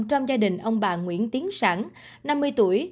trong gia đình ông bà nguyễn tiến sản năm mươi tuổi